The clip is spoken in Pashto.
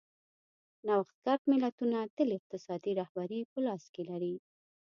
نوښتګر ملتونه تل اقتصادي رهبري په لاس کې لري.